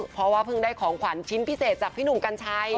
เพราะว่าเพิ่งได้ของขวัญชิ้นพิเศษจากพี่หนุ่มกัญชัย